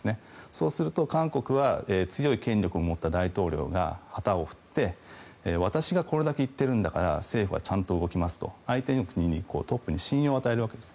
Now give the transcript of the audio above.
そうすると韓国は強い権力を持った大統領が旗を振って私がこれだけ言っているんだから政府はちゃんと動きますと相手の国のトップに信用を与えるわけです。